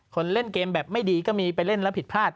เล่นเกมแบบไม่ดีก็มีไปเล่นแล้วผิดพลาด